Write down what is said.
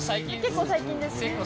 結構最近です。